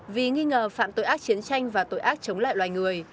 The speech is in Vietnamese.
vì nghi ngờ phạm tội ác chiến tranh và tội ác chống lại loài người